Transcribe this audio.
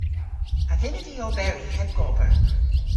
A vynnav vy oberi heb gober?